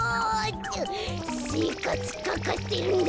せいかつかかってるんだ。